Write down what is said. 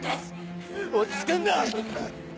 落ち着くんだ！